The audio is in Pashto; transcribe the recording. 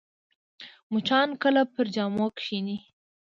مچان کله پر جامو کښېني